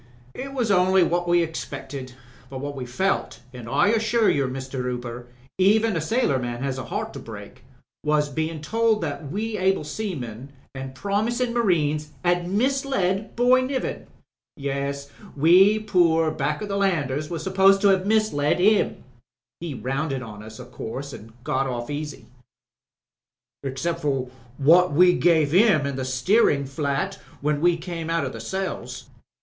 "It was only what we expected, but what we felt, an* I assure you, Mr. Hooper, even a sailor man has a heart to break, was bein' told that we able seamen an' promisin' marines 'ad misled Boy Niven. Yes, we poor back to the landers was supposed to 'ave misled himi He rounded on us, o' course, an' got off easy." "Excep'for what we gave him in the steerin' flat when we came out o' cells.